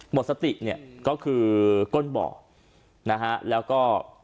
หมดสติเนี่ยก็คือก้นเบาะนะฮะแล้วก็